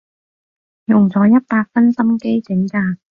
用咗一百分心機整㗎